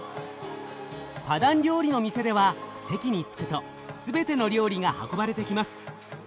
パダン料理の店では席に着くと全ての料理が運ばれてきます。